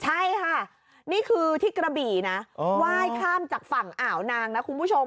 ใช่ค่ะนี่คือที่กระบี่นะไหว้ข้ามจากฝั่งอ่าวนางนะคุณผู้ชม